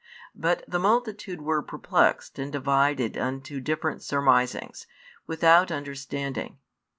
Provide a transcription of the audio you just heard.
But the multitude were perplexed and divided unto different surmisings, without understanding.